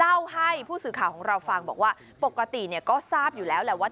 เล่าให้ผู้สื่อข่าวของเราฟังบอกว่าปกติเนี่ยก็ทราบอยู่แล้วแหละว่า